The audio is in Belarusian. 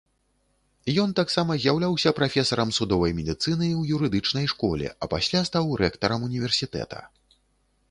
Ён таксама з'яўляўся прафесарам судовай медыцыны ў юрыдычнай школе, а пасля стаў рэктарам універсітэта.